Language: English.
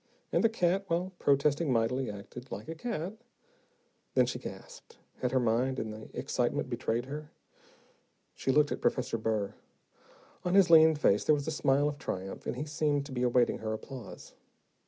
And the cat, while protesting mightily, acted like a cat. Then she gasped. Had her mind, in the excitement, betrayed her? She looked at Professor Burr. On his lean face there was a smile of triumph, and he seemed to be awaiting her applause.